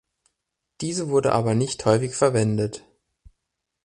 Diese wurde aber nicht häufig verwendet.